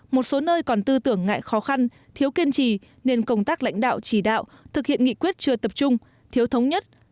một số nơi còn tư tưởng ngại khó khăn thiếu kiên trì nên công tác lãnh đạo chỉ đạo thực hiện nghị quyết chưa tập trung thiếu thống nhất